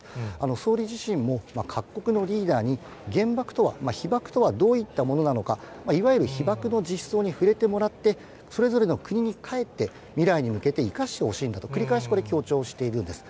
総理自身も、各国のリーダーに原爆とは、被爆とはどういったものなのか、いわゆる被爆の実相に触れてもらって、それぞれの国に帰って、未来に向けて生かしてほしいんだと、繰り返しこれ、強調しているんです。